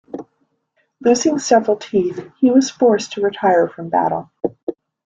Losing several teeth, he was forced to retire from battle.